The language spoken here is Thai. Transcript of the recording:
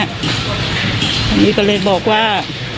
อันนี้ก็เลยบอกว่า